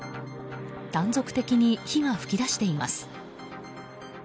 断続的に火が噴き出しています。